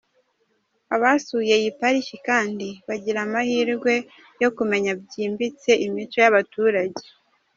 Abasuye iyi pariki kandi bagira amahirwe yo. kumenya byimbitse imico y’abaturage.